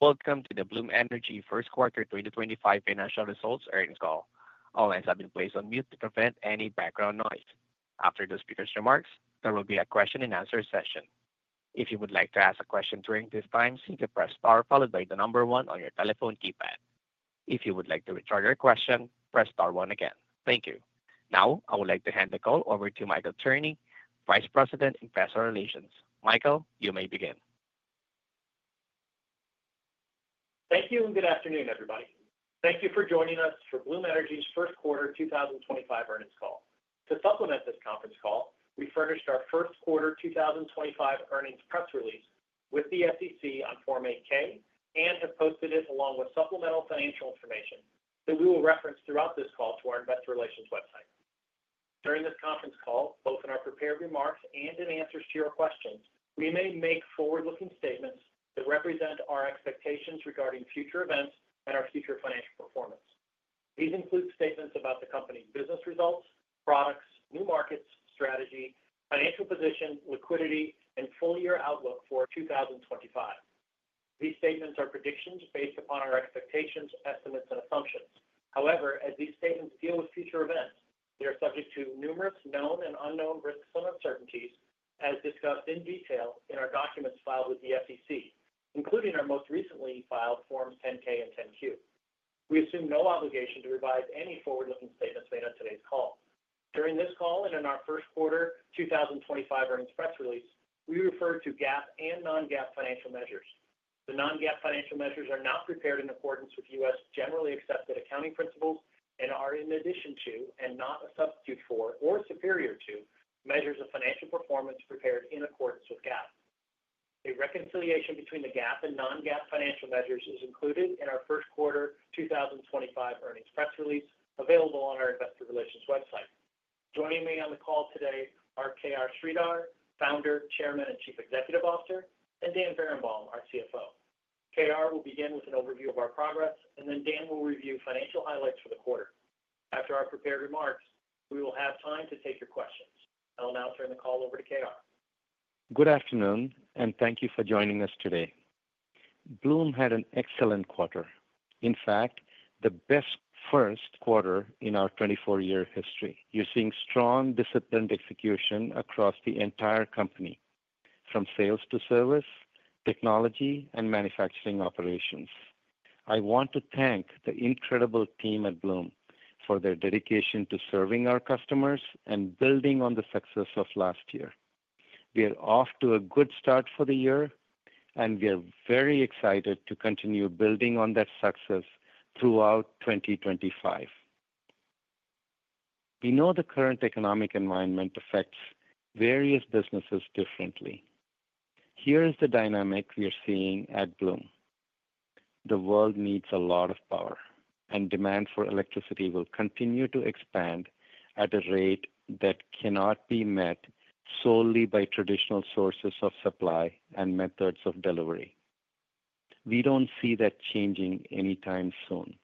Welcome to the Bloom Energy first quarter 2025 financial results earnings call. All lines have been placed on mute to prevent any background noise. After the speaker's remarks, there will be a question-and-answer session. If you would like to ask a question during this time, simply press star followed by the number one on your telephone keypad. If you would like to retract your question, press star one again. Thank you. Now, I would like to hand the call over to Michael Tierney, Vice President, Investor Relations. Michael, you may begin. Thank you, and good afternoon, everybody. Thank you for joining us for Bloom Energy's first quarter 2025 earnings call. To supplement this conference call, we furnished our first quarter 2025 earnings press release with the SEC on Form 8-K and have posted it along with supplemental financial information that we will reference throughout this call to our Investor Relations website. During this conference call, both in our prepared remarks and in answers to your questions, we may make forward-looking statements that represent our expectations regarding future events and our future financial performance. These include statements about the company's business results, products, new markets, strategy, financial position, liquidity, and full-year outlook for 2025. These statements are predictions based upon our expectations, estimates, and assumptions. However, as these statements deal with future events, they are subject to numerous known and unknown risks and uncertainties, as discussed in detail in our documents filed with the SEC, including our most recently filed Forms 10-K and 10-Q. We assume no obligation to revise any forward-looking statements made on today's call. During this call and in our first quarter 2025 earnings press release, we refer to GAAP and non-GAAP financial measures. The non-GAAP financial measures are not prepared in accordance with U.S. generally accepted accounting principles and are in addition to, and not a substitute for, or superior to, measures of financial performance prepared in accordance with GAAP. A reconciliation between the GAAP and non-GAAP financial measures is included in our first quarter 2025 earnings press release available on our Investor Relations website. Joining me on the call today are KR Sridhar, Founder, Chairman, and Chief Executive Officer, and Dan Berenbaum, our CFO. KR will begin with an overview of our progress, and then Dan will review financial highlights for the quarter. After our prepared remarks, we will have time to take your questions. I'll now turn the call over to KR. Good afternoon, and thank you for joining us today. Bloom had an excellent quarter. In fact, the best first quarter in our 24-year history. You're seeing strong, disciplined execution across the entire company, from sales to service, technology, and manufacturing operations. I want to thank the incredible team at Bloom for their dedication to serving our customers and building on the success of last year. We are off to a good start for the year, and we are very excited to continue building on that success throughout 2025. We know the current economic environment affects various businesses differently. Here is the dynamic we are seeing at Bloom. The world needs a lot of power, and demand for electricity will continue to expand at a rate that cannot be met solely by traditional sources of supply and methods of delivery. We don't see that changing anytime soon.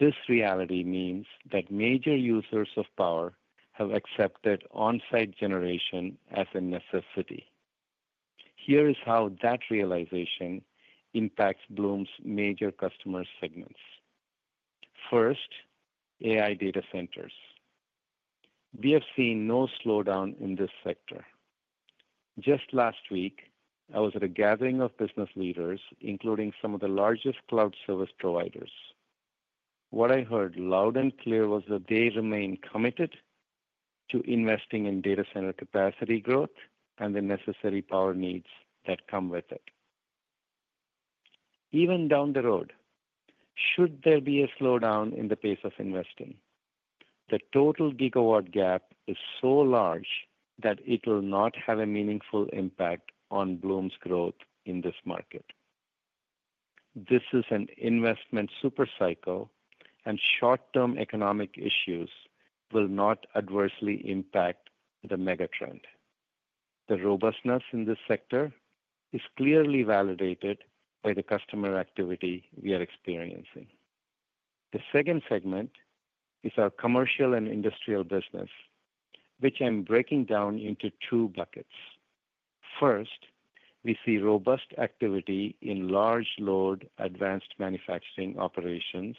This reality means that major users of power have accepted on-site generation as a necessity. Here is how that realization impacts Bloom's major customer segments. First, AI data centers. We have seen no slowdown in this sector. Just last week, I was at a gathering of business leaders, including some of the largest cloud service providers. What I heard loud and clear was that they remain committed to investing in data center capacity growth and the necessary power needs that come with it. Even down the road, should there be a slowdown in the pace of investing, the total gigawatt gap is so large that it will not have a meaningful impact on Bloom's growth in this market. This is an investment supercycle, and short-term economic issues will not adversely impact the megatrend. The robustness in this sector is clearly validated by the customer activity we are experiencing. The second segment is our commercial and industrial business, which I'm breaking down into two buckets. First, we see robust activity in large-load advanced manufacturing operations,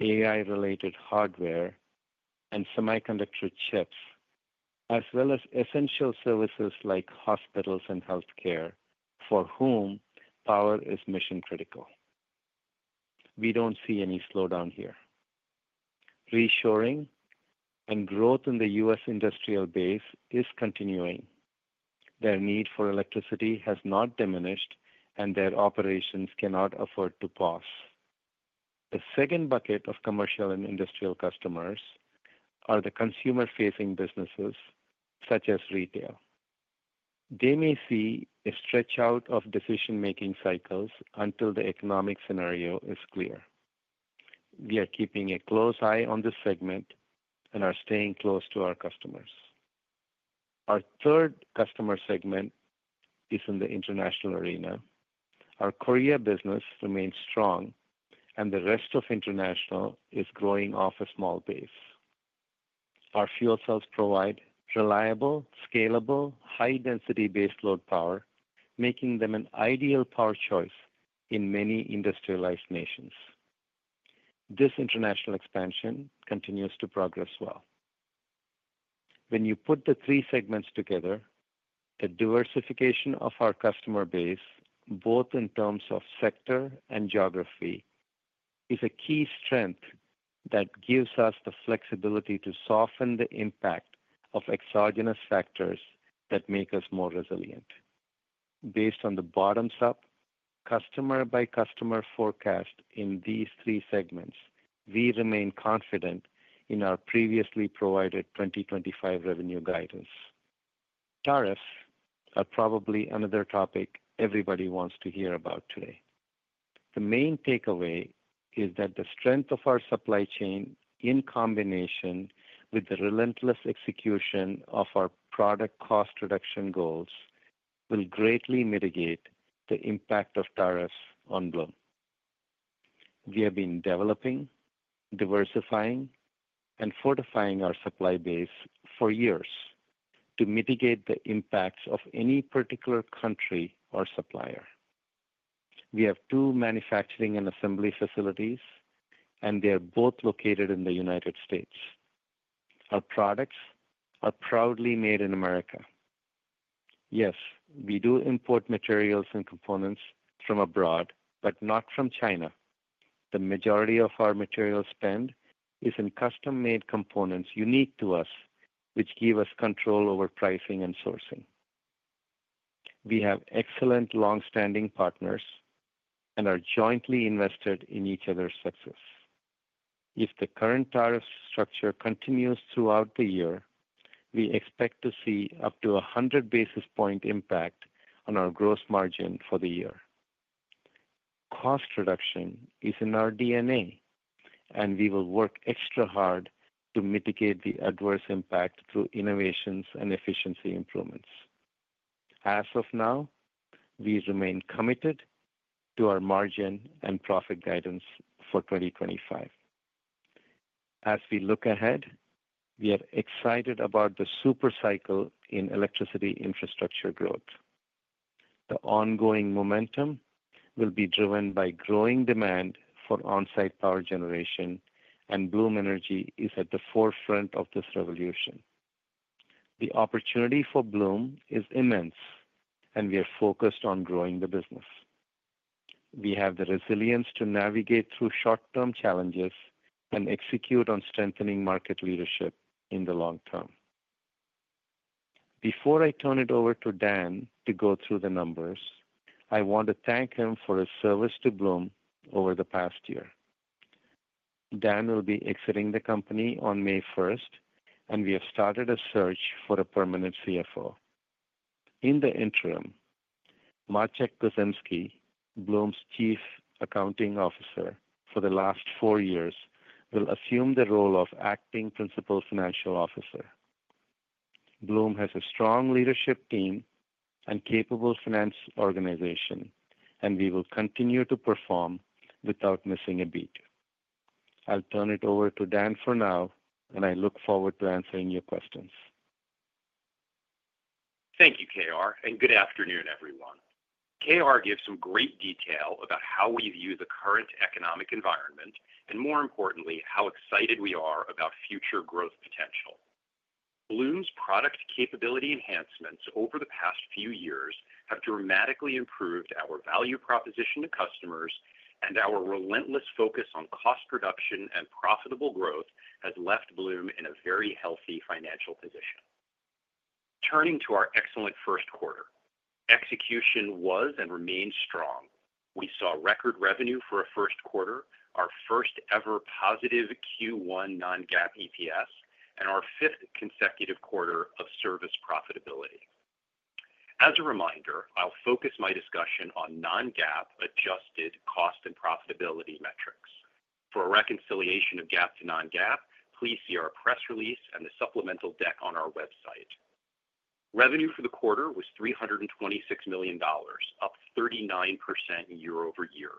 AI-related hardware, and semiconductor chips, as well as essential services like hospitals and healthcare, for whom power is mission-critical. We don't see any slowdown here. Reassuring and growth in the U.S. industrial base is continuing. Their need for electricity has not diminished, and their operations cannot afford to pause. The second bucket of commercial and industrial customers are the consumer-facing businesses, such as retail. They may see a stretch out of decision-making cycles until the economic scenario is clear. We are keeping a close eye on this segment and are staying close to our customers. Our third customer segment is in the international arena. Our Korea business remains strong, and the rest of international is growing off a small base. Our fuel cells provide reliable, scalable, high-density base load power, making them an ideal power choice in many industrialized nations. This international expansion continues to progress well. When you put the three segments together, the diversification of our customer base, both in terms of sector and geography, is a key strength that gives us the flexibility to soften the impact of exogenous factors that make us more resilient. Based on the bottoms-up, customer-by-customer forecast in these three segments, we remain confident in our previously provided 2025 revenue guidance. Tariffs are probably another topic everybody wants to hear about today. The main takeaway is that the strength of our supply chain, in combination with the relentless execution of our product cost reduction goals, will greatly mitigate the impact of tariffs on Bloom. We have been developing, diversifying, and fortifying our supply base for years to mitigate the impacts of any particular country or supplier. We have two manufacturing and assembly facilities, and they are both located in the United States. Our products are proudly made in America. Yes, we do import materials and components from abroad, but not from China. The majority of our material spend is in custom-made components unique to us, which give us control over pricing and sourcing. We have excellent long-standing partners and are jointly invested in each other's success. If the current tariff structure continues throughout the year, we expect to see up to 100 basis points impact on our gross margin for the year. Cost reduction is in our DNA, and we will work extra hard to mitigate the adverse impact through innovations and efficiency improvements. As of now, we remain committed to our margin and profit guidance for 2025. As we look ahead, we are excited about the supercycle in electricity infrastructure growth. The ongoing momentum will be driven by growing demand for on-site power generation, and Bloom Energy is at the forefront of this revolution. The opportunity for Bloom is immense, and we are focused on growing the business. We have the resilience to navigate through short-term challenges and execute on strengthening market leadership in the long term. Before I turn it over to Dan to go through the numbers, I want to thank him for his service to Bloom over the past year. Dan will be exiting the company on May 1, and we have started a search for a permanent CFO. In the interim, Maciej Kurzymski, Bloom's Chief Accounting Officer for the last four years, will assume the role of Acting Principal Financial Officer. Bloom has a strong leadership team and capable finance organization, and we will continue to perform without missing a beat. I'll turn it over to Dan for now, and I look forward to answering your questions. Thank you, KR, and good afternoon, everyone. KR gives some great detail about how we view the current economic environment and, more importantly, how excited we are about future growth potential. Bloom's product capability enhancements over the past few years have dramatically improved our value proposition to customers, and our relentless focus on cost reduction and profitable growth has left Bloom in a very healthy financial position. Turning to our excellent first quarter, execution was and remains strong. We saw record revenue for a first quarter, our first-ever positive Q1 non-GAAP EPS, and our fifth consecutive quarter of service profitability. As a reminder, I'll focus my discussion on non-GAAP adjusted cost and profitability metrics. For a reconciliation of GAAP to non-GAAP, please see our press release and the supplemental deck on our website. Revenue for the quarter was $326 million, up 39% year over year.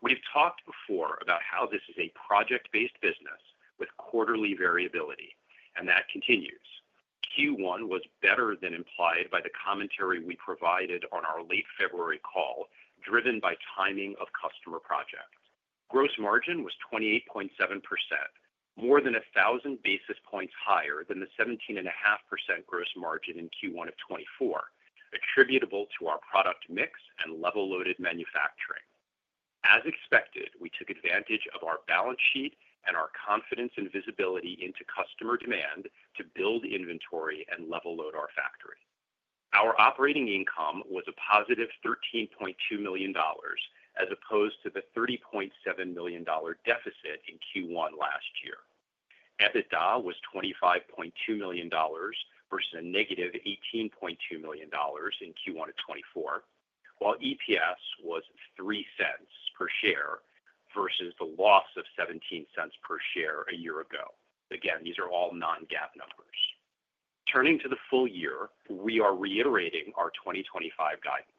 We've talked before about how this is a project-based business with quarterly variability, and that continues. Q1 was better than implied by the commentary we provided on our late February call, driven by timing of customer project. Gross margin was 28.7%, more than 1,000 basis points higher than the 17.5% gross margin in Q1 of 2024, attributable to our product mix and level loaded manufacturing. As expected, we took advantage of our balance sheet and our confidence and visibility into customer demand to build inventory and level load our factory. Our operating income was a positive $13.2 million as opposed to the $30.7 million deficit in Q1 last year. EBITDA was $25.2 million versus a negative $18.2 million in Q1 of 2024, while EPS was $0.03 per share versus the loss of $0.17 per share a year ago. Again, these are all non-GAAP numbers. Turning to the full year, we are reiterating our 2025 guidance.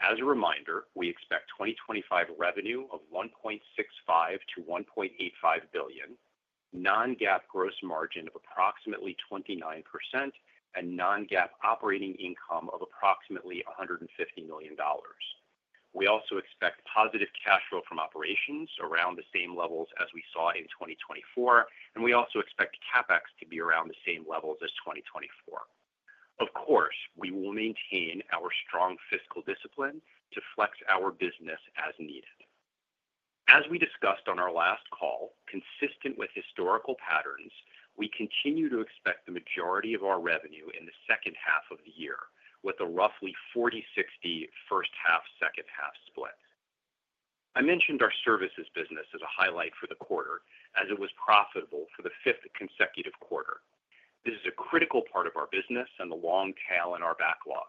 As a reminder, we expect 2025 revenue of $1.65 billion-$1.85 billion, non-GAAP gross margin of approximately 29%, and non-GAAP operating income of approximately $150 million. We also expect positive cash flow from operations around the same levels as we saw in 2024, and we also expect CapEx to be around the same levels as 2024. Of course, we will maintain our strong fiscal discipline to flex our business as needed. As we discussed on our last call, consistent with historical patterns, we continue to expect the majority of our revenue in the second half of the year with a roughly 40-60 first half, second half split. I mentioned our services business as a highlight for the quarter, as it was profitable for the fifth consecutive quarter. This is a critical part of our business and the long tail in our backlog.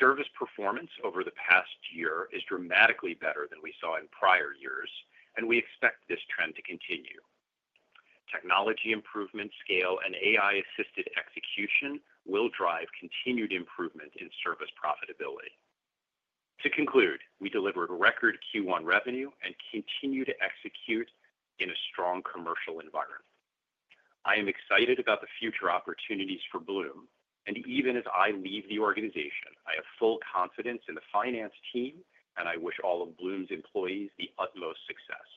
Service performance over the past year is dramatically better than we saw in prior years, and we expect this trend to continue. Technology improvement, scale, and AI-assisted execution will drive continued improvement in service profitability. To conclude, we delivered record Q1 revenue and continue to execute in a strong commercial environment. I am excited about the future opportunities for Bloom, and even as I leave the organization, I have full confidence in the finance team, and I wish all of Bloom's employees the utmost success.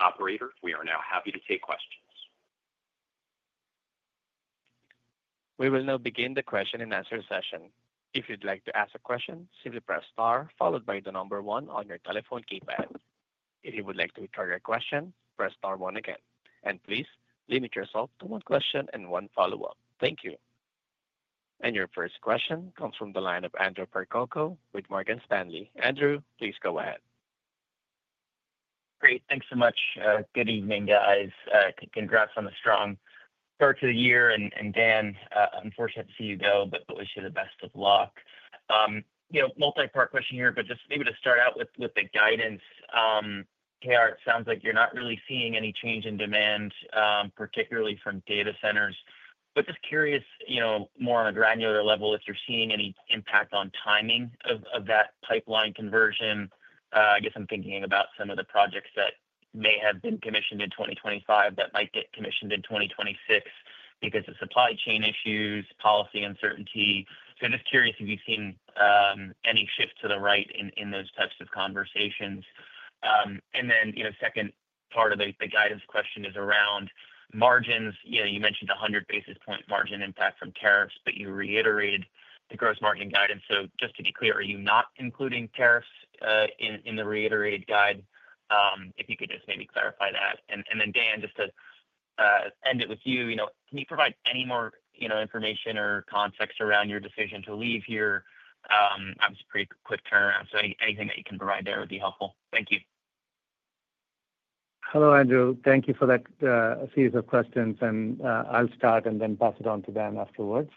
Operator, we are now happy to take questions. We will now begin the question and answer session. If you'd like to ask a question, simply press star followed by the number one on your telephone keypad. If you would like to retry your question, press star one again. Please limit yourself to one question and one follow-up. Thank you. Your first question comes from the line of Andrew Percoco with Morgan Stanley. Andrew, please go ahead. Great. Thanks so much. Good evening, guys. Congrats on a strong start to the year. And Dan, unfortunate to see you go, but wish you the best of luck. Multi-part question here, but just maybe to start out with the guidance. KR, it sounds like you're not really seeing any change in demand, particularly from data centers. Just curious, more on a granular level, if you're seeing any impact on timing of that pipeline conversion. I guess I'm thinking about some of the projects that may have been commissioned in 2025 that might get commissioned in 2026 because of supply chain issues, policy uncertainty. Just curious if you've seen any shift to the right in those types of conversations. The second part of the guidance question is around margins. You mentioned a hundred basis point margin impact from tariffs, but you reiterated the gross margin guidance. Just to be clear, are you not including tariffs in the reiterated guide? If you could just maybe clarify that. Dan, just to end it with you, can you provide any more information or context around your decision to leave here? Obviously, pretty quick turnaround. Anything that you can provide there would be helpful. Thank you. Hello, Andrew. Thank you for that series of questions. I'll start and then pass it on to Dan afterwards.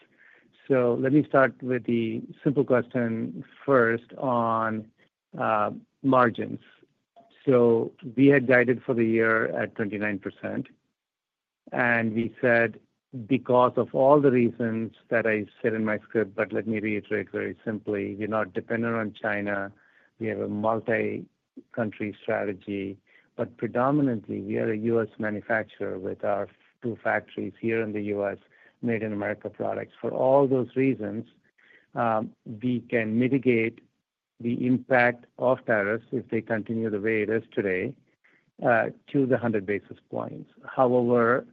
Let me start with the simple question first on margins. We had guided for the year at 29%. We said, because of all the reasons that I said in my script, but let me reiterate very simply, we're not dependent on China. We have a multi-country strategy. Predominantly, we are a U.S. manufacturer with our two factories here in the U.S., made in America products. For all those reasons, we can mitigate the impact of tariffs if they continue the way it is today to the hundred basis points. However,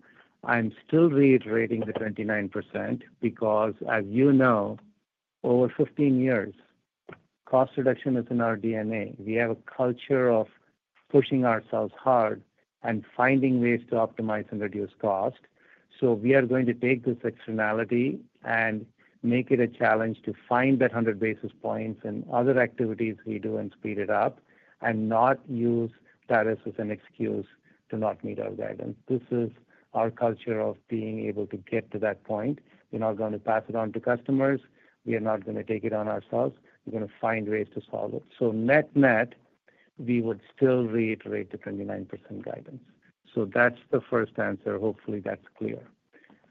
I'm still reiterating the 29% because, as you know, over 15 years, cost reduction is in our DNA. We have a culture of pushing ourselves hard and finding ways to optimize and reduce cost. We are going to take this externality and make it a challenge to find that 100 basis points and other activities we do and speed it up and not use tariffs as an excuse to not meet our guidance. This is our culture of being able to get to that point. We're not going to pass it on to customers. We are not going to take it on ourselves. We're going to find ways to solve it. Net net, we would still reiterate the 29% guidance. That's the first answer. Hopefully, that's clear.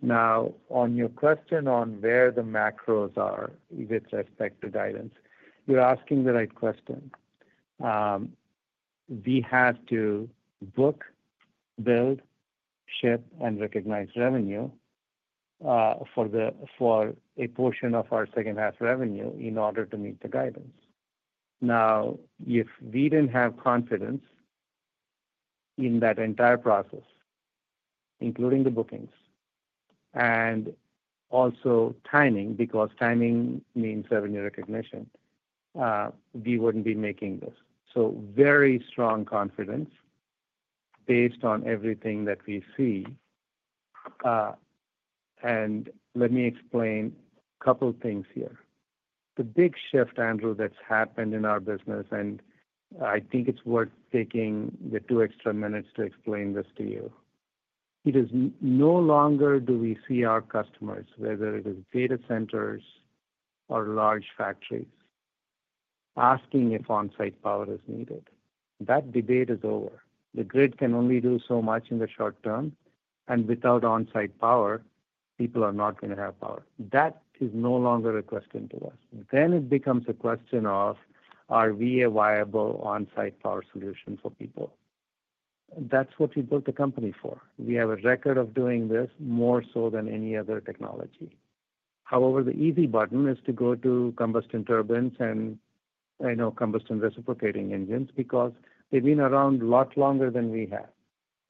Now, on your question on where the macros are with respect to guidance, you're asking the right question. We have to book, build, ship, and recognize revenue for a portion of our second half revenue in order to meet the guidance. Now, if we did not have confidence in that entire process, including the bookings and also timing, because timing means revenue recognition, we would not be making this. Very strong confidence based on everything that we see. Let me explain a couple of things here. The big shift, Andrew, that has happened in our business, and I think it is worth taking the two extra minutes to explain this to you. It is no longer do we see our customers, whether it is data centers or large factories, asking if on-site power is needed. That debate is over. The grid can only do so much in the short term, and without on-site power, people are not going to have power. That is no longer a question to us. It becomes a question of, are we a viable on-site power solution for people? That is what we built the company for. We have a record of doing this more so than any other technology. However, the easy button is to go to combustion turbines and combustion reciprocating engines because they've been around a lot longer than we have.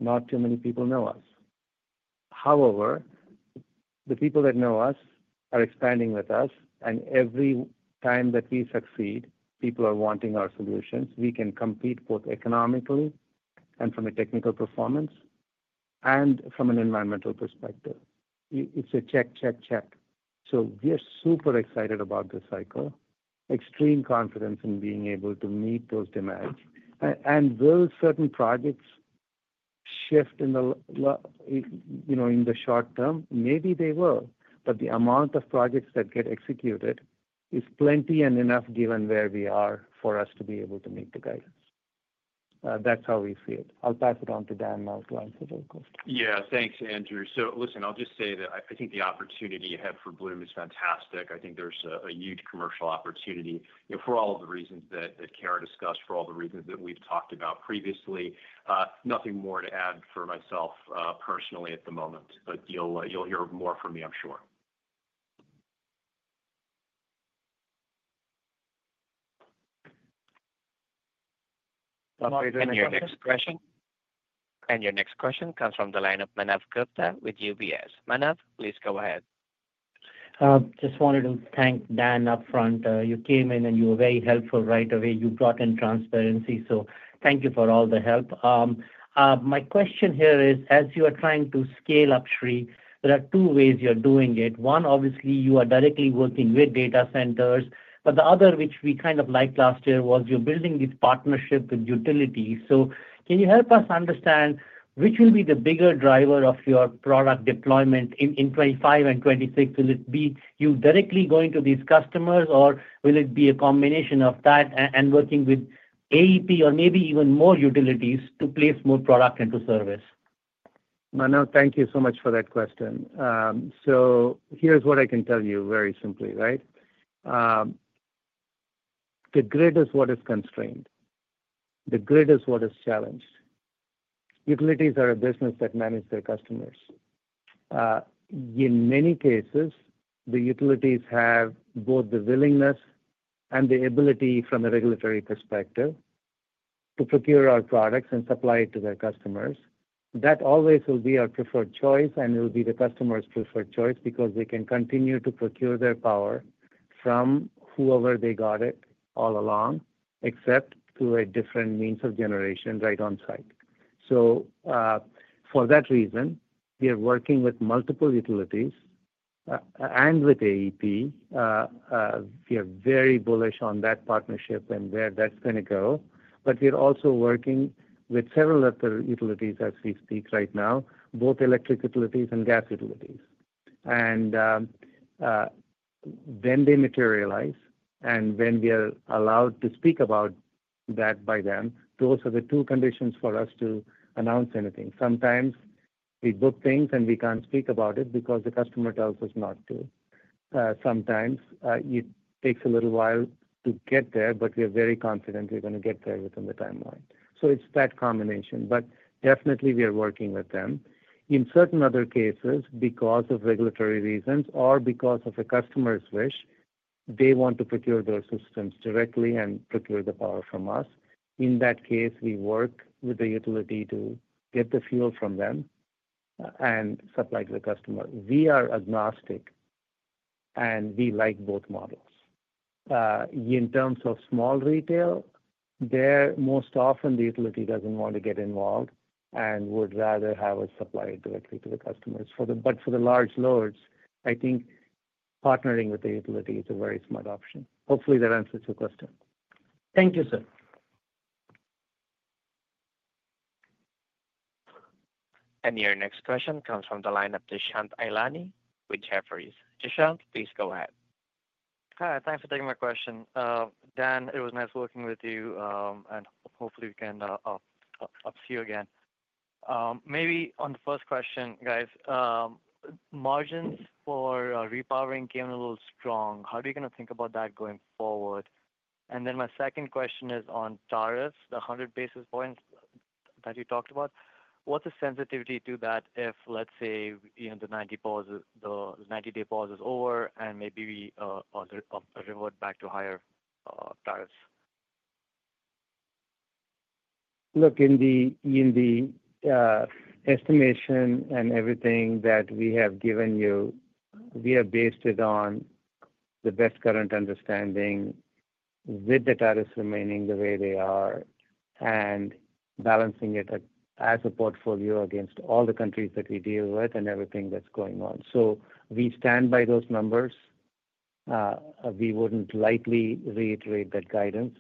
Not too many people know us. However, the people that know us are expanding with us, and every time that we succeed, people are wanting our solutions. We can compete both economically and from a technical performance and from an environmental perspective. It's a check, check, check. We are super excited about this cycle. Extreme confidence in being able to meet those demands. Will certain projects shift in the short term? Maybe they will, but the amount of projects that get executed is plenty and enough given where we are for us to be able to meet the guidance. That's how we see it. I'll pass it on to Dan now to answer the question. Yeah, thanks, Andrew. Listen, I'll just say that I think the opportunity you have for Bloom is fantastic. I think there's a huge commercial opportunity for all of the reasons that KR discussed, for all the reasons that we've talked about previously. Nothing more to add for myself personally at the moment, but you'll hear more from me, I'm sure. Your next question comes from the line of Manav Gupta with UBS. Manav, please go ahead. Just wanted to thank Dan upfront. You came in and you were very helpful right away. You brought in transparency. So thank you for all the help. My question here is, as you are trying to scale up, Sri, there are two ways you're doing it. One, obviously, you are directly working with data centers, but the other, which we kind of liked last year, was you're building this partnership with utilities. Can you help us understand which will be the bigger driver of your product deployment in 2025 and 2026? Will it be you directly going to these customers, or will it be a combination of that and working with AEP or maybe even more utilities to place more product into service? Manav, thank you so much for that question. Here's what I can tell you very simply, right? The grid is what is constrained. The grid is what is challenged. Utilities are a business that manage their customers. In many cases, the utilities have both the willingness and the ability from a regulatory perspective to procure our products and supply it to their customers. That always will be our preferred choice, and it will be the customer's preferred choice because they can continue to procure their power from whoever they got it all along, except through a different means of generation right on site. For that reason, we are working with multiple utilities and with AEP. We are very bullish on that partnership and where that's going to go. We are also working with several other utilities as we speak right now, both electric utilities and gas utilities. When they materialize and when we are allowed to speak about that by them, those are the two conditions for us to announce anything. Sometimes we book things and we can't speak about it because the customer tells us not to. Sometimes it takes a little while to get there, but we are very confident we're going to get there within the timeline. It is that combination. Definitely, we are working with them. In certain other cases, because of regulatory reasons or because of a customer's wish, they want to procure those systems directly and procure the power from us. In that case, we work with the utility to get the fuel from them and supply to the customer. We are agnostic, and we like both models. In terms of small retail, there most often the utility does not want to get involved and would rather have us supply it directly to the customers. For the large loads, I think partnering with the utility is a very smart option. Hopefully, that answers your question. Thank you, sir. Your next question comes from the line of Dushyant Ailani with Jefferies. Dushyant, please go ahead. Hi, thanks for taking my question. Dan, it was nice working with you, and hopefully we can see you again. Maybe on the first question, guys, margins for repowering came a little strong. How are you going to think about that going forward? My second question is on tariffs, the 100 basis points that you talked about. What's the sensitivity to that if, let's say, the 90-day pause is over and maybe we revert back to higher tariffs? Look, in the estimation and everything that we have given you, we have based it on the best current understanding with the tariffs remaining the way they are and balancing it as a portfolio against all the countries that we deal with and everything that's going on. We stand by those numbers. We wouldn't likely reiterate that guidance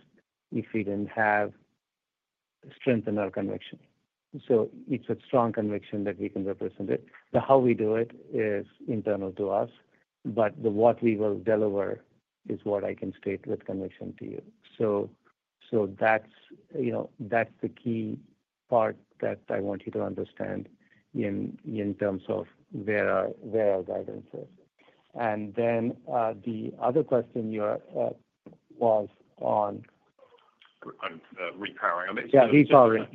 if we didn't have strength in our conviction. It is a strong conviction that we can represent it. How we do it is internal to us, but what we will deliver is what I can state with conviction to you. That is the key part that I want you to understand in terms of where our guidance is. The other question you asked on. On repowering. I mean. Yeah, repowering.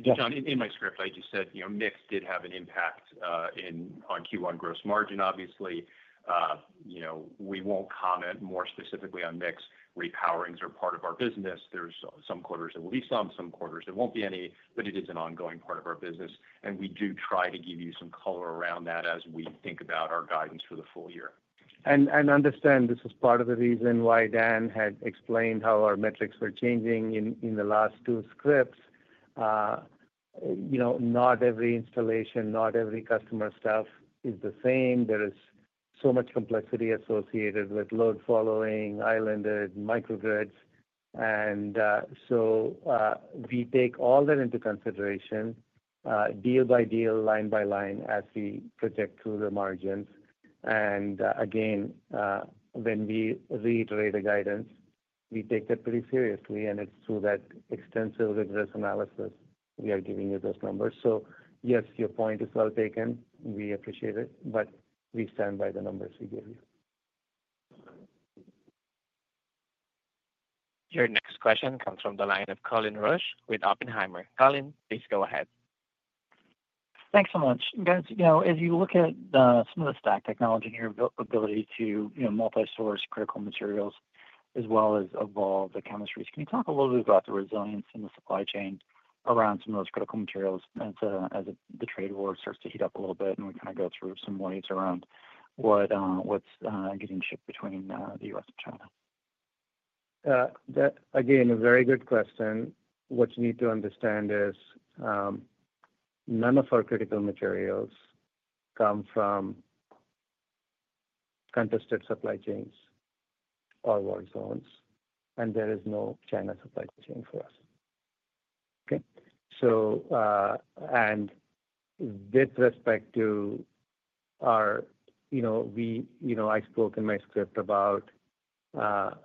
In my script, I just said mix did have an impact on Q1 gross margin, obviously. We won't comment more specifically on mix. Repowerings are part of our business. There are some quarters there will be some, some quarters there won't be any, but it is an ongoing part of our business. We do try to give you some color around that as we think about our guidance for the full year. I understand this is part of the reason why Dan had explained how our metrics were changing in the last two scripts. Not every installation, not every customer stuff is the same. There is so much complexity associated with load following, islanded, microgrids. We take all that into consideration, deal by deal, line by line as we project through the margins. Again, when we reiterate the guidance, we take that pretty seriously, and it is through that extensive rigorous analysis we are giving you those numbers. Yes, your point is well taken. We appreciate it, but we stand by the numbers we give you. Your next question comes from the line of Colin Rusch with Oppenheimer. Colin, please go ahead. Thanks so much. Guys, as you look at some of the stack technology and your ability to multi-source critical materials as well as evolve the chemistries, can you talk a little bit about the resilience in the supply chain around some of those critical materials as the trade war starts to heat up a little bit and we kind of go through some waves around what's getting shipped between the U.S. and China? Again, a very good question. What you need to understand is none of our critical materials come from contested supply chains or war zones, and there is no China supply chain for us. Okay? With respect to our, I spoke in my script about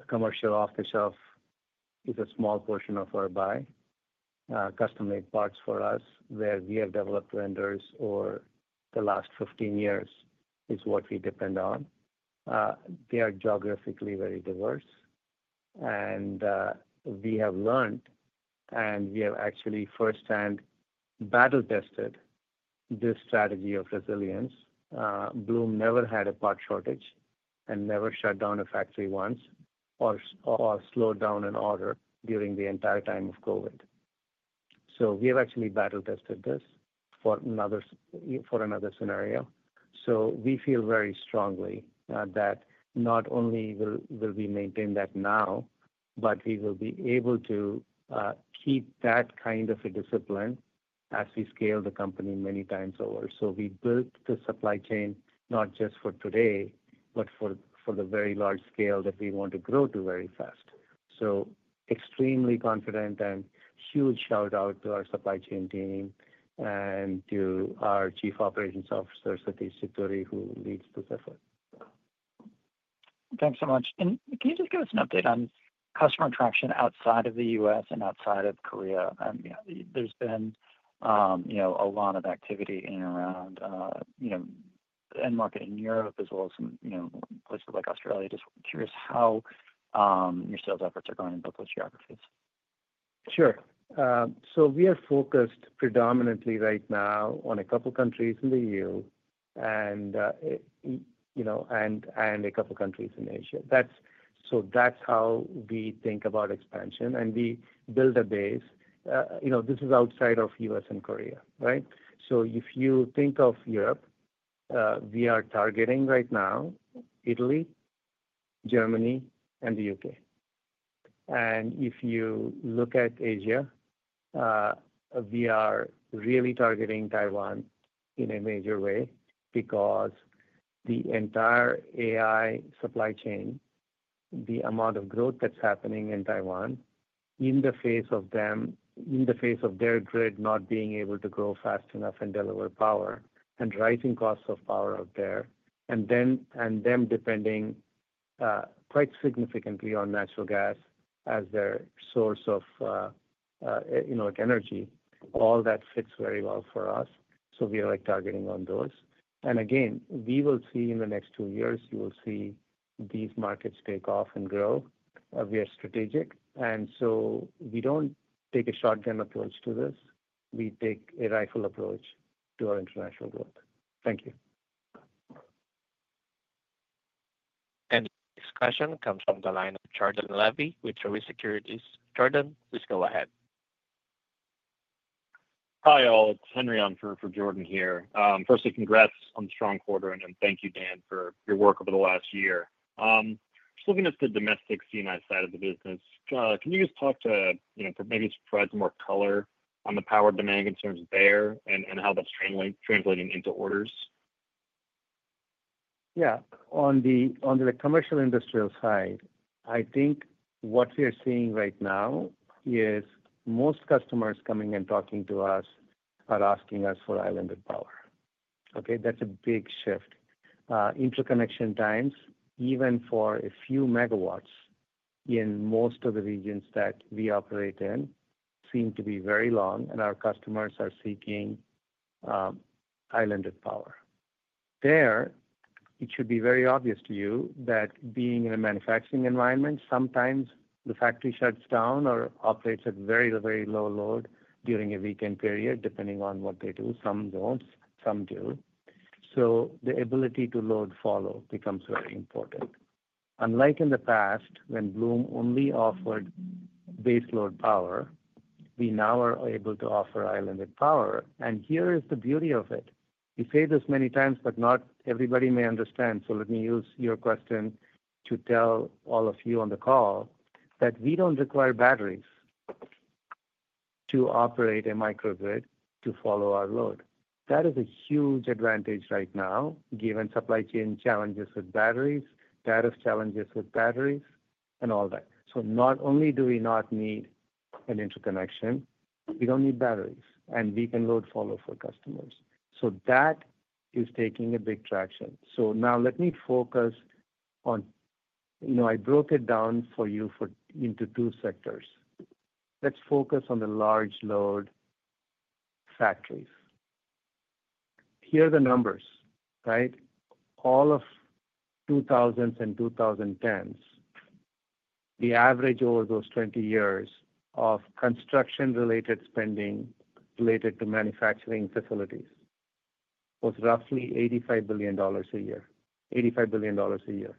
commercial off the shelf is a small portion of our buy. Custom-made parts for us where we have developed vendors over the last 15 years is what we depend on. They are geographically very diverse, and we have learned and we have actually firsthand battle-tested this strategy of resilience. Bloom never had a part shortage and never shut down a factory once or slowed down an order during the entire time of COVID. We have actually battle-tested this for another scenario. We feel very strongly that not only will we maintain that now, but we will be able to keep that kind of a discipline as we scale the company many times over. We built the supply chain not just for today, but for the very large scale that we want to grow to very fast. Extremely confident and huge shout-out to our supply chain team and to our Chief Operations Officer, Satish Chitoori, who leads this effort. Thanks so much. Can you just give us an update on customer traction outside of the U.S. and outside of Korea? There's been a lot of activity in and around end market in Europe, as well as some places like Australia. Just curious how your sales efforts are going in both those geographies. Sure. We are focused predominantly right now on a couple of countries in the EU and a couple of countries in Asia. That is how we think about expansion, and we build a base. This is outside of the U.S. and Korea, right? If you think of Europe, we are targeting right now Italy, Germany, and the U.K. If you look at Asia, we are really targeting Taiwan in a major way because the entire AI supply chain, the amount of growth that is happening in Taiwan in the face of them, in the face of their grid not being able to grow fast enough and deliver power and rising costs of power out there, and them depending quite significantly on natural gas as their source of energy. All that fits very well for us. We are targeting on those. Again, we will see in the next two years, you will see these markets take off and grow. We are strategic, and so we do not take a shotgun approach to this. We take a rifle approach to our international growth. Thank you. This question comes from the line of Jordan Levy with Truist Securities. Jordan, please go ahead. Hi all. It's Henry on for Jordan here. Firstly, congrats on the strong quarter, and thank you, Dan, for your work over the last year. Just looking at the domestic C&I side of the business, can you just talk to maybe provide some more color on the power demand concerns there and how that's translating into orders? Yeah. On the commercial industrial side, I think what we are seeing right now is most customers coming and talking to us are asking us for islanded power. Okay? That's a big shift. Interconnection times, even for a few megawatts in most of the regions that we operate in, seem to be very long, and our customers are seeking islanded power. There, it should be very obvious to you that being in a manufacturing environment, sometimes the factory shuts down or operates at very, very low load during a weekend period, depending on what they do. Some don't. Some do. The ability to load follow becomes very important. Unlike in the past, when Bloom only offered base load power, we now are able to offer islanded power. Here is the beauty of it. We say this many times, but not everybody may understand. Let me use your question to tell all of you on the call that we don't require batteries to operate a microgrid to follow our load. That is a huge advantage right now, given supply chain challenges with batteries, tariff challenges with batteries, and all that. Not only do we not need an interconnection, we don't need batteries, and we can load follow for customers. That is taking a big traction. Now let me focus on I broke it down for you into two sectors. Let's focus on the large load factories. Here are the numbers, right? All of 2000s and 2010s, the average over those 20 years of construction-related spending related to manufacturing facilities was roughly $85 billion a year. $85 billion a year.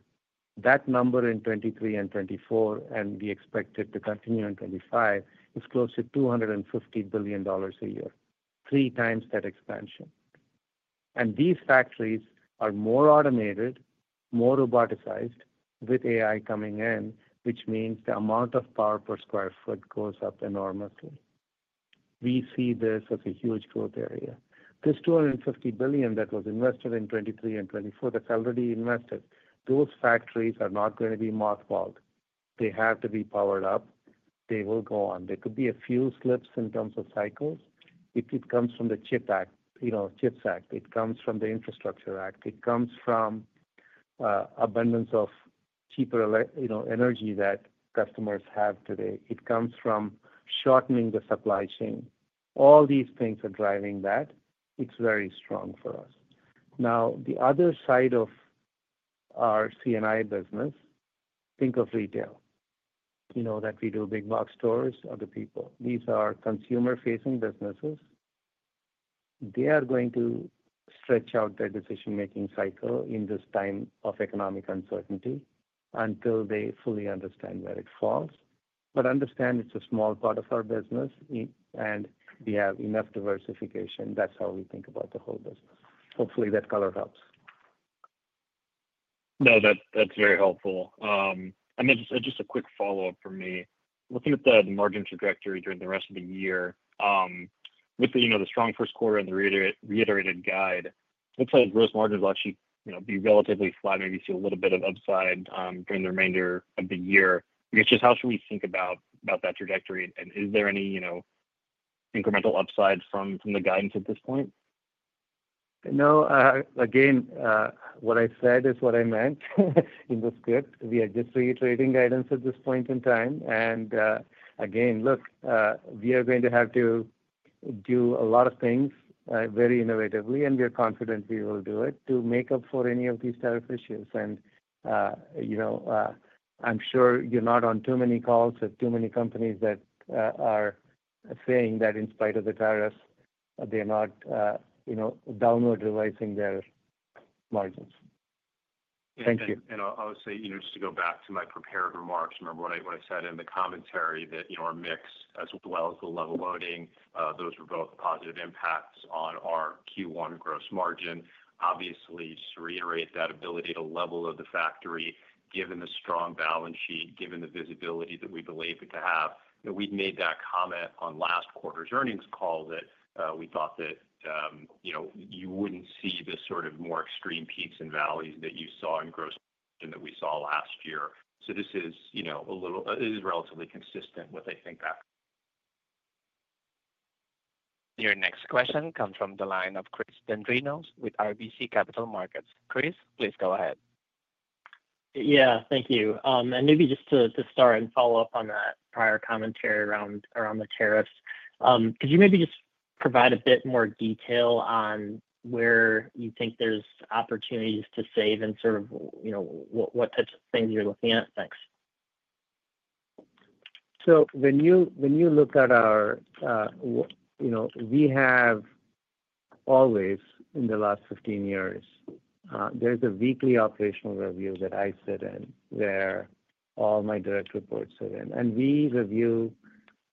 That number in 2023 and 2024, and we expect it to continue in 2025, is close to $250 billion a year. Three times that expansion. These factories are more automated, more roboticized with AI coming in, which means the amount of power per sq ft goes up enormously. We see this as a huge growth area. This $250 billion that was invested in 2023 and 2024, that's already invested, those factories are not going to be mothballed. They have to be powered up. They will go on. There could be a few slips in terms of cycles. It comes from the CHIPS Act. It comes from the Infrastructure Act. It comes from abundance of cheaper energy that customers have today. It comes from shortening the supply chain. All these things are driving that. It's very strong for us. Now, the other side of our C&I business, think of retail. You know that we do big box stores of the people. These are consumer-facing businesses. They are going to stretch out their decision-making cycle in this time of economic uncertainty until they fully understand where it falls. Understand it's a small part of our business, and we have enough diversification. That's how we think about the whole business. Hopefully, that color helps. No, that's very helpful. Just a quick follow-up for me. Looking at the margin trajectory during the rest of the year, with the strong first quarter and the reiterated guide, it looks like gross margins will actually be relatively flat. Maybe you see a little bit of upside during the remainder of the year. It's just how should we think about that trajectory? Is there any incremental upside from the guidance at this point? No. Again, what I said is what I meant in the script. We are just reiterating guidance at this point in time. Again, look, we are going to have to do a lot of things very innovatively, and we are confident we will do it to make up for any of these tariff issues. I'm sure you're not on too many calls with too many companies that are saying that in spite of the tariffs, they're not downward revising their margins. Thank you. I'll say just to go back to my prepared remarks, remember what I said in the commentary that our mix, as well as the level loading, those were both positive impacts on our Q1 gross margin. Obviously, just to reiterate that ability to level of the factory, given the strong balance sheet, given the visibility that we believe it to have. We made that comment on last quarter's earnings call that we thought that you wouldn't see the sort of more extreme peaks and valleys that you saw in gross margin that we saw last year. This is a little, it is relatively consistent with, I think, that. Your next question comes from the line of Chris Dendrinos with RBC Capital Markets. Chris, please go ahead. Thank you. Maybe just to start and follow up on that prior commentary around the tariffs, could you maybe just provide a bit more detail on where you think there's opportunities to save and sort of what types of things you're looking at? Thanks. When you look at our, we have always, in the last 15 years, there's a weekly operational review that I sit in, where all my direct reports sit in. We review,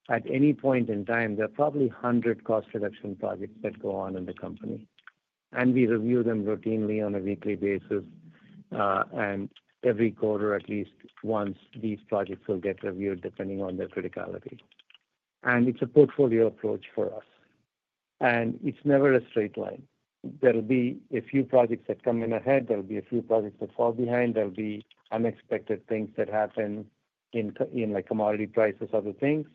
at any point in time, there are probably 100 cost reduction projects that go on in the company. We review them routinely on a weekly basis. Every quarter, at least once, these projects will get reviewed depending on their criticality. It's a portfolio approach for us. It's never a straight line. There will be a few projects that come in ahead. There will be a few projects that fall behind. There will be unexpected things that happen in commodity prices of the things.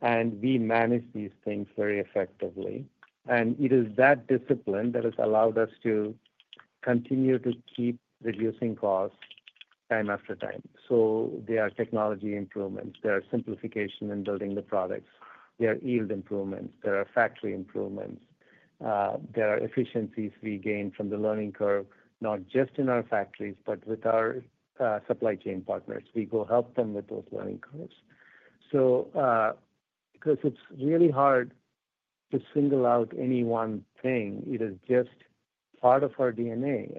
We manage these things very effectively. It is that discipline that has allowed us to continue to keep reducing costs time after time. There are technology improvements. There are simplifications in building the products. There are yield improvements. There are factory improvements. There are efficiencies we gain from the learning curve, not just in our factories, but with our supply chain partners. We go help them with those learning curves. It is really hard to single out any one thing, it is just part of our DNA.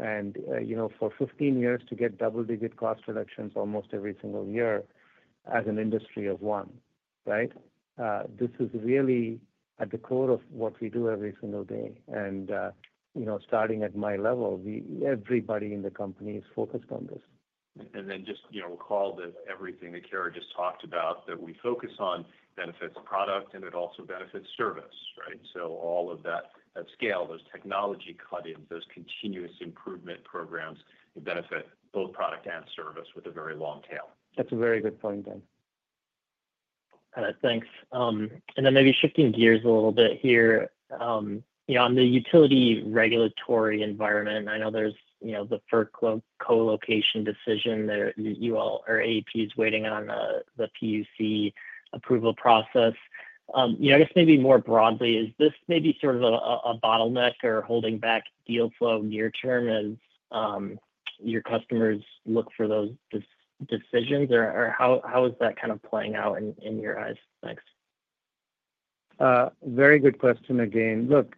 For 15 years, to get double-digit cost reductions almost every single year as an industry of one, right? This is really at the core of what we do every single day. Starting at my level, everybody in the company is focused on this. Just recall that everything that KR just talked about, that we focus on benefits product, and it also benefits service, right? All of that scale, those technology cut-ins, those continuous improvement programs benefit both product and service with a very long tail. That's a very good point, Dan. Thanks. Maybe shifting gears a little bit here. On the utility regulatory environment, I know there's the FERC co-location decision. You all are AEPs waiting on the PUC approval process. I guess maybe more broadly, is this maybe sort of a bottleneck or holding back deal flow near-term as your customers look for those decisions? How is that kind of playing out in your eyes? Thanks. Very good question again. Look,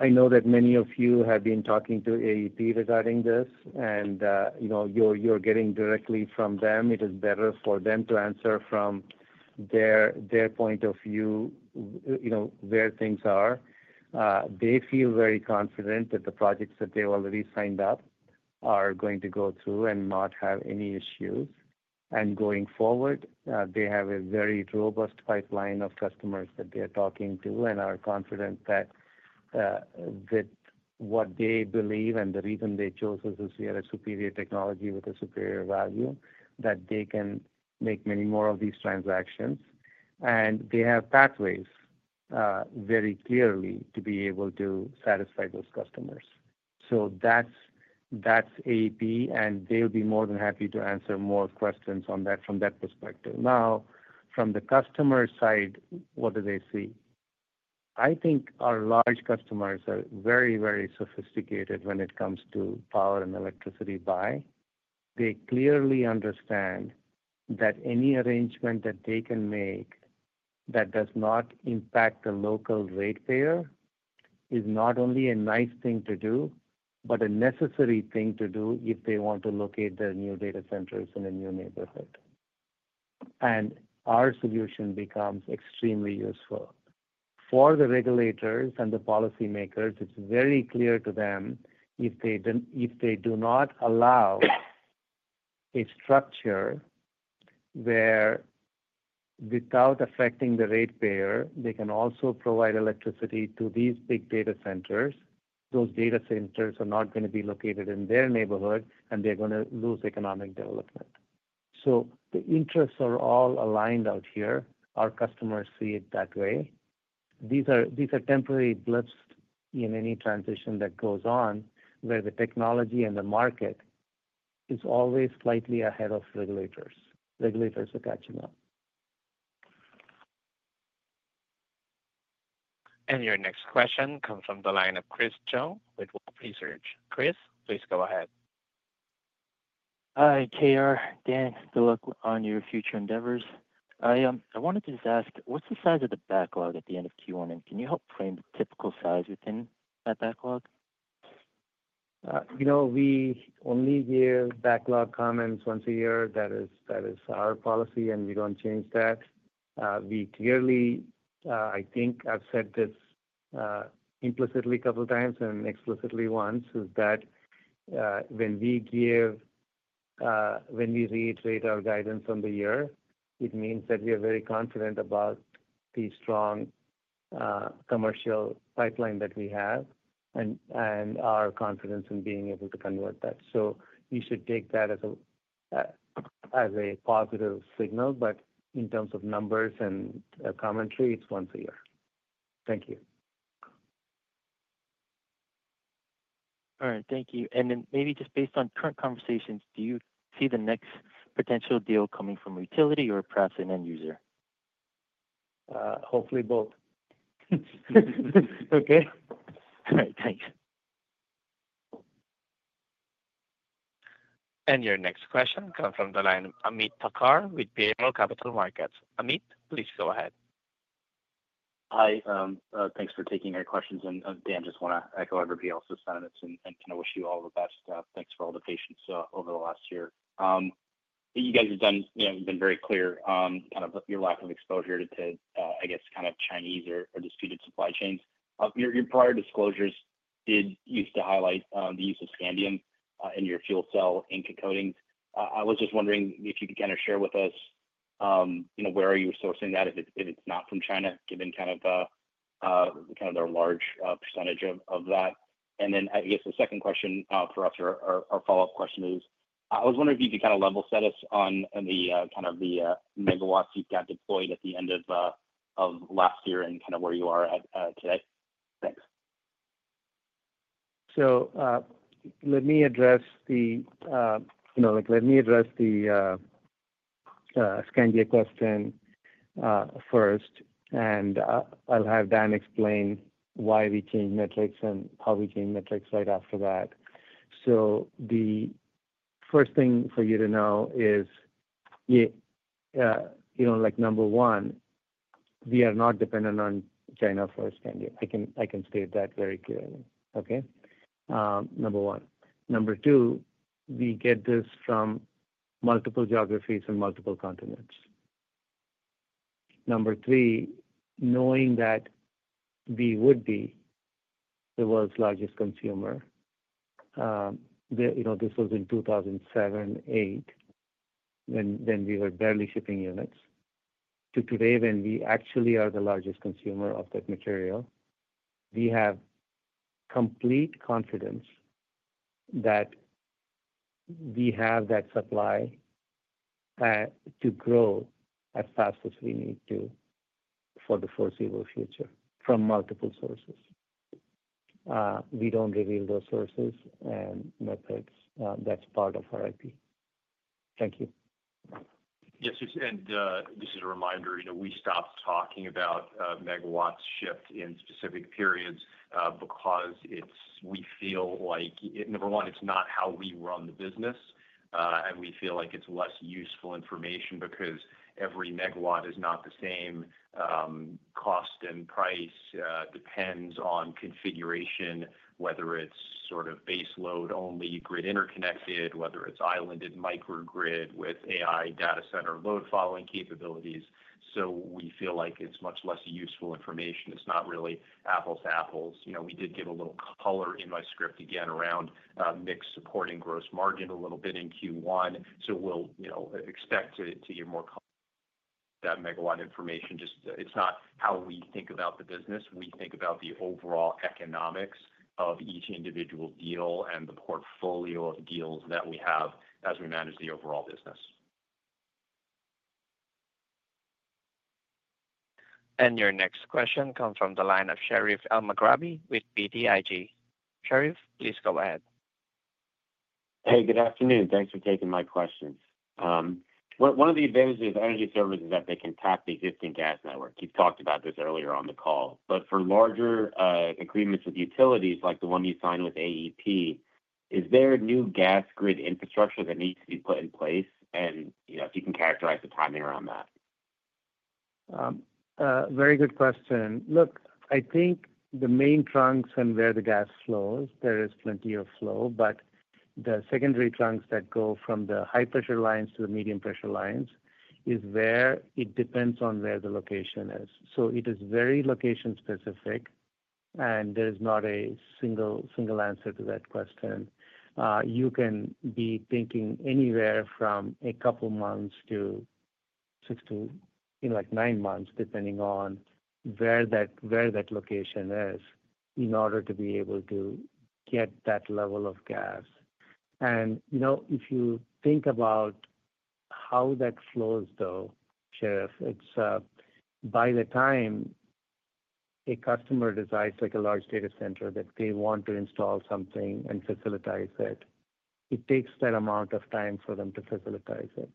I know that many of you have been talking to AEP regarding this, and you're getting directly from them. It is better for them to answer from their point of view where things are. They feel very confident that the projects that they already signed up are going to go through and not have any issues. Going forward, they have a very robust pipeline of customers that they are talking to and are confident that with what they believe and the reason they chose us as we have a superior technology with a superior value, that they can make many more of these transactions. They have pathways very clearly to be able to satisfy those customers. That is AEP, and they will be more than happy to answer more questions from that perspective. Now, from the customer side, what do they see? I think our large customers are very, very sophisticated when it comes to power and electricity buy. They clearly understand that any arrangement that they can make that does not impact the local ratepayer is not only a nice thing to do, but a necessary thing to do if they want to locate their new data centers in a new neighborhood. Our solution becomes extremely useful. For the regulators and the policymakers, it's very clear to them if they do not allow a structure where, without affecting the ratepayer, they can also provide electricity to these big data centers, those data centers are not going to be located in their neighborhood, and they're going to lose economic development. The interests are all aligned out here. Our customers see it that way. These are temporary blips in any transition that goes on where the technology and the market is always slightly ahead of regulators. Regulators are catching up. Your next question comes from the line of Chris Chung with Wolfe Research. Chris, please go ahead. Hi. KR, Dan, good luck, on your future endeavors. I wanted to just ask, what's the size of the backlog at the end of Q1? Can you help frame the typical size within that backlog? We only give backlog comments once a year. That is our policy, and we don't change that. We clearly, I think I've said this implicitly a couple of times and explicitly once, is that when we reiterate our guidance on the year, it means that we are very confident about the strong commercial pipeline that we have and our confidence in being able to convert that. We should take that as a positive signal. In terms of numbers and commentary, it's once a year. Thank you. All right. Thank you. Maybe just based on current conversations, do you see the next potential deal coming from utility or perhaps an end user? Hopefully both. Okay. All right. Thanks. Your next question comes from the line of Ameet Thakkar with BMO Capital Markets. Ameet, please go ahead. Hi. Thanks for taking our questions. Dan, just want to echo everybody else's sentiments and kind of wish you all the best. Thanks for all the patience over the last year. You guys have been very clear on kind of your lack of exposure to, I guess, kind of Chinese or disputed supply chains. Your prior disclosures used to highlight the use of scandium in your fuel cell ink and coatings. I was just wondering if you could kind of share with us where are you sourcing that if it's not from China, given kind of their large percentage of that. I guess the second question for us, or our follow-up question is, I was wondering if you could kind of level set us on kind of the megawatts you've got deployed at the end of last year and kind of where you are at today. Thanks. Let me address the scandium question first, and I'll have Dan explain why we change metrics and how we change metrics right after that. The first thing for you to know is, number one, we are not dependent on China for scandium. I can state that very clearly. Number one. Number two, we get this from multiple geographies and multiple continents. Number three, knowing that we would be the world's largest consumer, this was in 2007, 2008, when we were barely shipping units, to today when we actually are the largest consumer of that material, we have complete confidence that we have that supply to grow as fast as we need to for the foreseeable future from multiple sources. We don't reveal those sources and methods. That's part of our IP. Thank you. Yes. Just as a reminder, we stopped talking about megawatts shift in specific periods because we feel like, number one, it's not how we run the business. We feel like it's less useful information because every megawatt is not the same. Cost and price depends on configuration, whether it's sort of base load only, grid interconnected, whether it's islanded microgrid with AI data center load following capabilities. We feel like it's much less useful information. It's not really apples to apples. We did get a little color in my script again around mix supporting gross margin a little bit in Q1. We'll expect to get more of that megawatt information. Just it's not how we think about the business. We think about the overall economics of each individual deal and the portfolio of deals that we have as we manage the overall business. Your next question comes from the line of Sherif Elmaghrabi with BTIG. Sherif, please go ahead. Hey, good afternoon. Thanks for taking my questions. One of the advantages of energy services is that they can tap the existing gas network. You've talked about this earlier on the call. For larger agreements with utilities like the one you signed with AEP, is there new gas grid infrastructure that needs to be put in place? If you can characterize the timing around that. Very good question. Look, I think the main trunks and where the gas flows, there is plenty of flow. The secondary trunks that go from the high-pressure lines to the medium-pressure lines is where it depends on where the location is. It is very location-specific, and there is not a single answer to that question. You can be thinking anywhere from a couple of months to six to nine months, depending on where that location is, in order to be able to get that level of gas. If you think about how that flows, though, Sherif, by the time a customer decides a large data center that they want to install something and facilitate it, it takes that amount of time for them to facilitate it.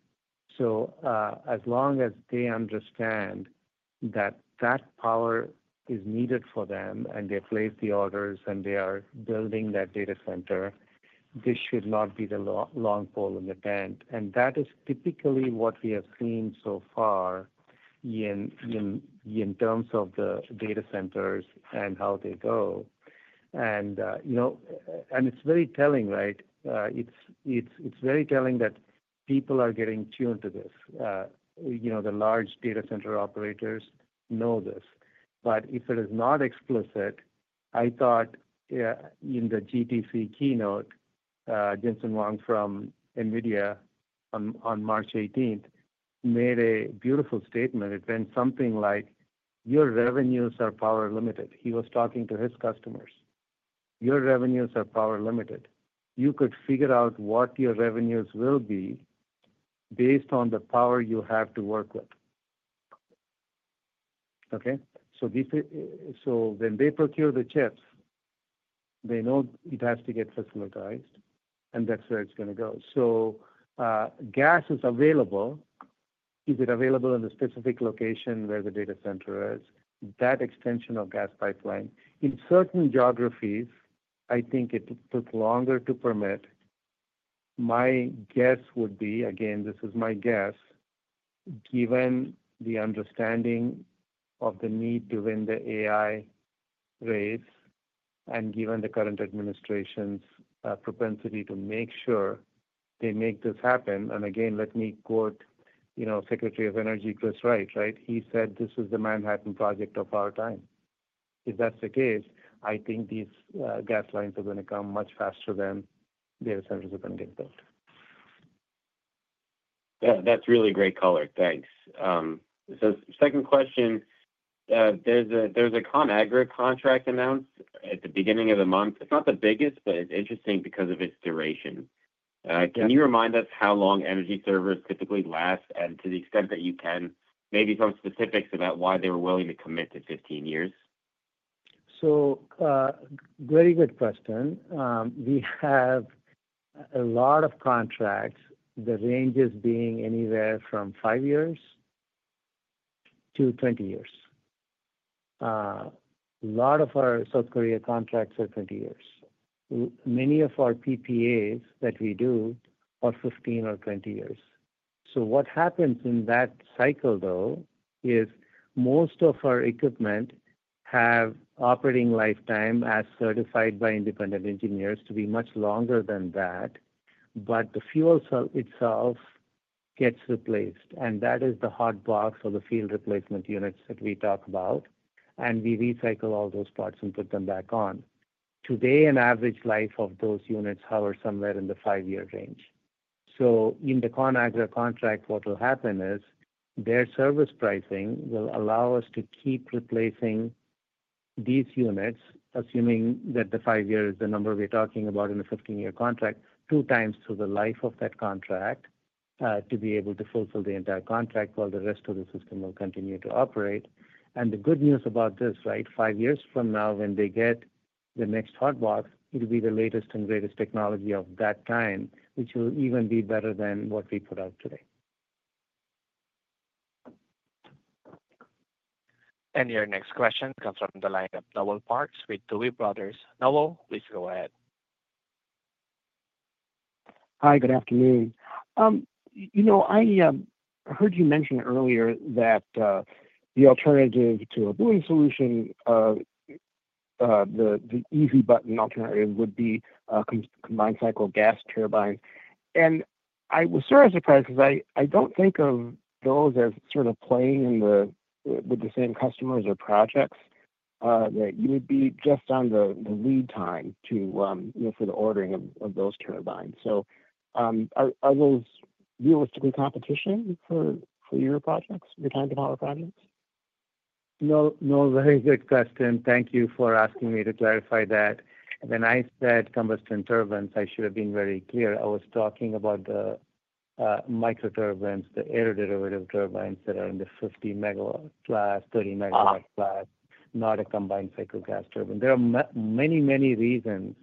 As long as they understand that that power is needed for them and they place the orders and they are building that data center, this should not be the long pole in the tent. That is typically what we have seen so far in terms of the data centers and how they go. It is very telling, right? It is very telling that people are getting tuned to this. The large data center operators know this. If it is not explicit, I thought in the GTC keynote, Jensen Huang from NVIDIA on March 18 made a beautiful statement. It meant something like, "Your revenues are power limited." He was talking to his customers. "Your revenues are power limited. You could figure out what your revenues will be based on the power you have to work with." Okay? When they procure the chips, they know it has to get facilitized, and that's where it's going to go. Gas is available. Is it available in the specific location where the data center is? That extension of gas pipeline. In certain geographies, I think it took longer to permit. My guess would be, again, this is my guess, given the understanding of the need to win the AI race and given the current administration's propensity to make sure they make this happen. Let me quote Secretary of Energy Chris Wright, right? He said, "This is the Manhattan Project of our time." If that's the case, I think these gas lines are going to come much faster than data centers are going to get built. That's really great color. Thanks. Second question, there's a Conagra contract announced at the beginning of the month. It's not the biggest, but it's interesting because of its duration. Can you remind us how long Energy Servers typically last? And to the extent that you can, maybe some specifics about why they were willing to commit to 15 years? Very good question. We have a lot of contracts, the ranges being anywhere from 5 years to 20 years. A lot of our South Korea contracts are 20 years. Many of our PPAs that we do are 15 or 20 years. What happens in that cycle, though, is most of our equipment have operating lifetime as certified by independent engineers to be much longer than that, but the fuel cell itself gets replaced. That is the hotbox or the field replacement units that we talk about. We recycle all those parts and put them back on. Today, an average life of those units hovers somewhere in the five-year range. In the Conagra contract, what will happen is their service pricing will allow us to keep replacing these units, assuming that the five-year is the number we're talking about in a 15-year contract, two times through the life of that contract to be able to fulfill the entire contract while the rest of the system will continue to operate. The good news about this, right? Five years from now, when they get the next hotbox, it will be the latest and greatest technology of that time, which will even be better than what we put out today. Your next question comes from the line of Noel Parks with Tuohy Brothers. Noel, please go ahead. Hi. Good afternoon. I heard you mention earlier that the alternative to a Bloom solution, the easy button alternative, would be combined cycle gas turbines. I was sort of surprised because I do not think of those as sort of playing with the same customers or projects. That would be just on the lead time for the ordering of those turbines. Are those realistically competition for your projects, your time-to-power projects? No. Very good question. Thank you for asking me to clarify that. When I said combustion turbines, I should have been very clear. I was talking about the microturbines, the air derivative turbines that are in the 50-megawatt class, 30-megawatt class, not a combined cycle gas turbine. There are many, many reasons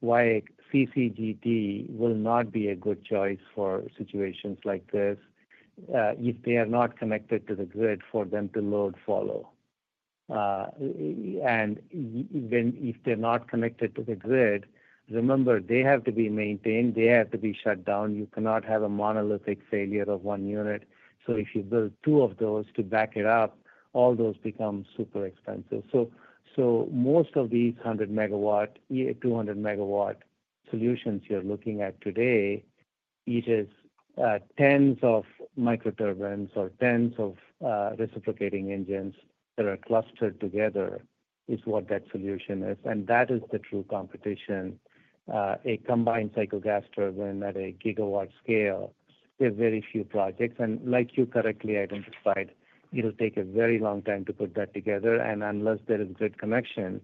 why CCGT will not be a good choice for situations like this if they are not connected to the grid for them to load follow. If they're not connected to the grid, remember, they have to be maintained. They have to be shut down. You cannot have a monolithic failure of one unit. If you build two of those to back it up, all those become super expensive. Most of these 200-megawatt solutions you're looking at today, it is tens of microturbines or tens of reciprocating engines that are clustered together is what that solution is. That is the true competition. A combined cycle gas turbine at a gigawatt scale, there are very few projects. Like you correctly identified, it'll take a very long time to put that together. Unless there is a grid connection,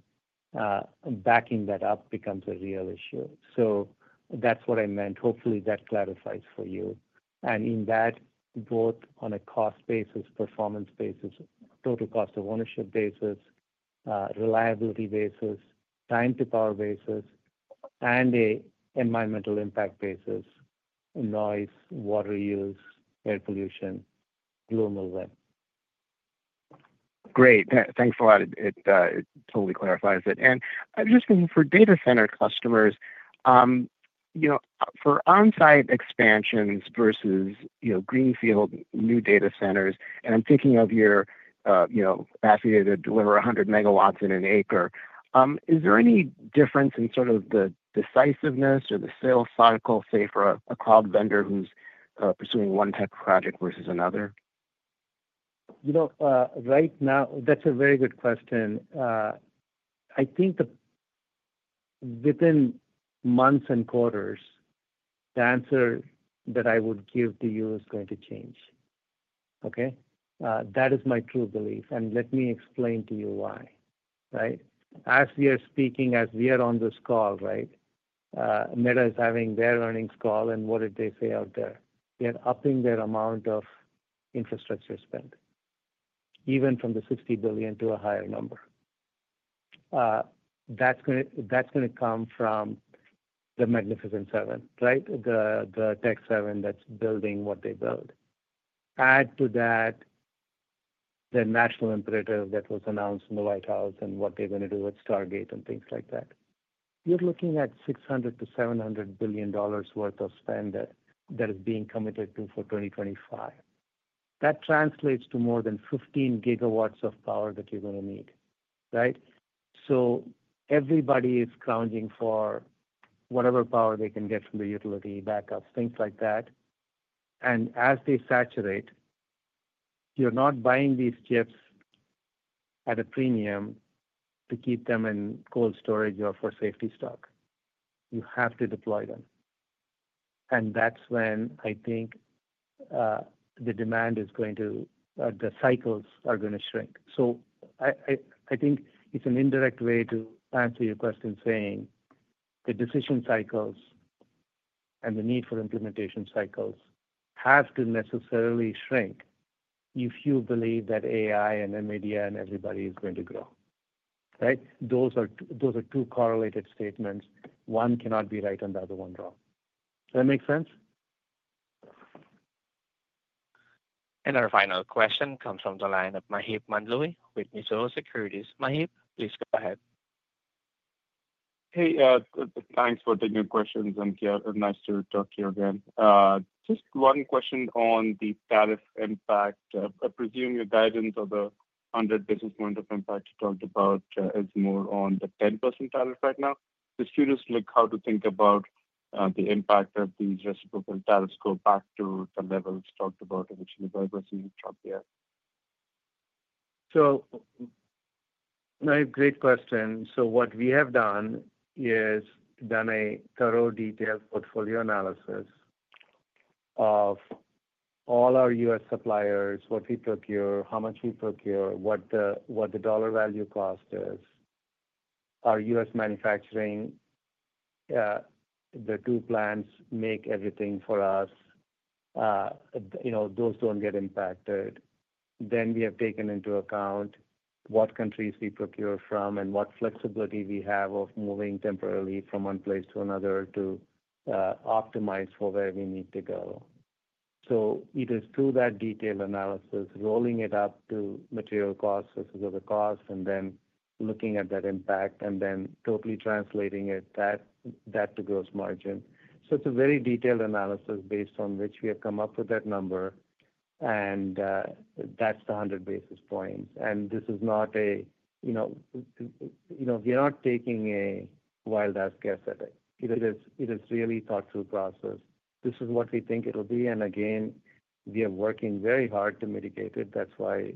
backing that up becomes a real issue. That's what I meant. Hopefully, that clarifies for you. In that, both on a cost basis, performance basis, total cost of ownership basis, reliability basis, time-to-power basis, and an environmental impact basis, noise, water use, air pollution, global warming. Great. Thanks a lot. It totally clarifies it. I was just thinking for data center customers, for on-site expansions versus greenfield new data centers, and I'm thinking of your capacity to deliver 100 megawatts in an acre, is there any difference in sort of the decisiveness or the sales cycle, say, for a cloud vendor who's pursuing one type of project versus another? Right now, that's a very good question. I think within months and quarters, the answer that I would give to you is going to change. Okay? That is my true belief. Let me explain to you why. As we are speaking, as we are on this call, Meta is having their earnings call. What did they say out there? They're upping their amount of infrastructure spend, even from the $60 billion to a higher number. That's going to come from the Magnificent Seven, the tech seven that's building what they build. Add to that the national imperative that was announced in the White House and what they're going to do with Stargate and things like that. You're looking at $600 billion-$700 billion worth of spend that is being committed to for 2025. That translates to more than 15 gigawatts of power that you're going to need. Right? Everybody is crowning for whatever power they can get from the utility, backups, things like that. As they saturate, you're not buying these chips at a premium to keep them in cold storage or for safety stock. You have to deploy them. That's when I think the demand is going to, the cycles are going to shrink. I think it's an indirect way to answer your question saying the decision cycles and the need for implementation cycles have to necessarily shrink if you believe that AI and NVIDIA and everybody is going to grow. Right? Those are two correlated statements. One cannot be right and the other one wrong. Does that make sense? Our final question comes from the line of Maheep Mandloi with Mizuho Securities. Maheep, please go ahead. Hey. Thanks for taking questions, and nice to talk to you again. Just one question on the tariff impact. I presume your guidance of the 100 basis points of impact you talked about is more on the 10% tariff right now. Just curious how to think about the impact if these reciprocal tariffs go back to the levels talked about, which you were buzzing up here. Great question. What we have done is done a thorough detailed portfolio analysis of all our US suppliers, what we procure, how much we procure, what the dollar value cost is, our US manufacturing, the two plants make everything for us. Those do not get impacted. We have taken into account what countries we procure from and what flexibility we have of moving temporarily from one place to another to optimize for where we need to go. It is through that detailed analysis, rolling it up to material cost versus other cost, and then looking at that impact and then totally translating it back to gross margin. It is a very detailed analysis based on which we have come up with that number. That is the 100 basis points. This is not a we are not taking a wild ass guess at it. It is really a thoughtful process. This is what we think it will be. We are working very hard to mitigate it. That is why,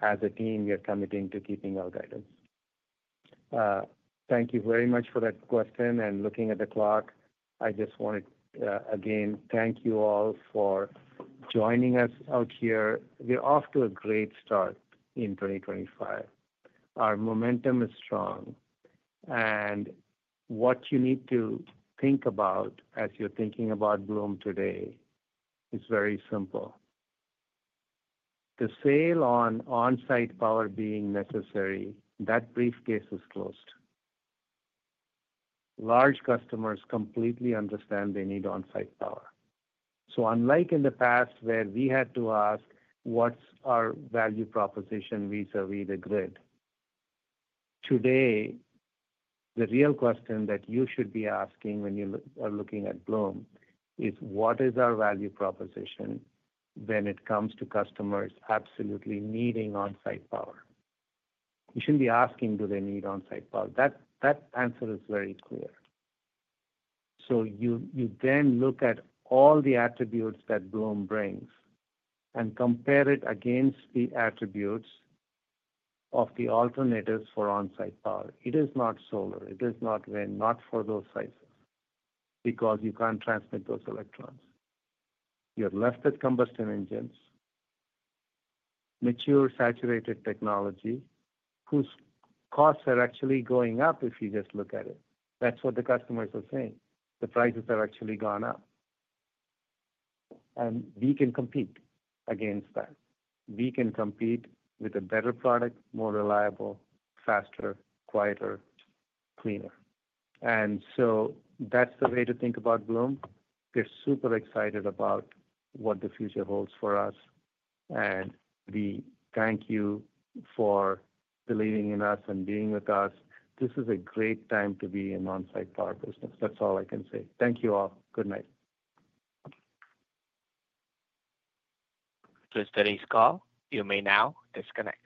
as a team, we are committing to keeping our guidance. Thank you very much for that question. Looking at the clock, I just wanted to, again, thank you all for joining us out here. We are off to a great start in 2025. Our momentum is strong. What you need to think about as you are thinking about Bloom today is very simple. The sale on on-site power being necessary, that briefcase is closed. Large customers completely understand they need on-site power. Unlike in the past where we had to ask, "What's our value proposition vis-à-vis the grid?" today, the real question that you should be asking when you are looking at Bloom is, "What is our value proposition when it comes to customers absolutely needing on-site power?" You shouldn't be asking, "Do they need on-site power?" That answer is very clear. You then look at all the attributes that Bloom brings and compare it against the attributes of the alternatives for on-site power. It is not solar. It is not wind, not for those sizes because you can't transmit those electrons. You're left with combustion engines, mature saturated technology whose costs are actually going up if you just look at it. That's what the customers are saying. The prices have actually gone up. We can compete against that. We can compete with a better product, more reliable, faster, quieter, cleaner. That is the way to think about Bloom. We are super excited about what the future holds for us. We thank you for believing in us and being with us. This is a great time to be in on-site power business. That is all I can say. Thank you all. Good night. To today's call, you may now disconnect.